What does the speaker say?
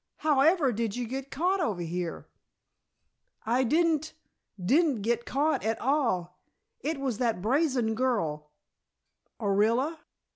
However did you get caught over here?" "I didn't didn't get caught at all. It was that brazen girl " "Orilla?"